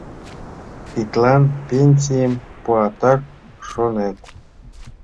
— Тидлан пенсийым пуатак, шонет?